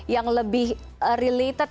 yang lebih related